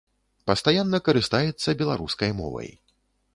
Пастаянна карыстаецца беларускай мовай.